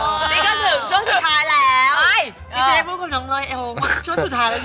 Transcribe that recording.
นี่ก็ถึงช่วงสุดท้ายแล้ว